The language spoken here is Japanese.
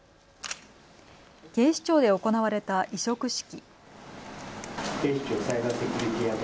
警視庁で行われた委嘱式。